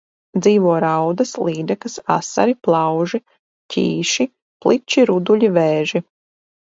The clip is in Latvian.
Dzīvo raudas, līdakas, asari, plauži, ķīši, pliči, ruduļi, vēži.